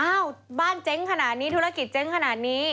บ้านเจ๊งขนาดนี้ธุรกิจเจ๊งขนาดนี้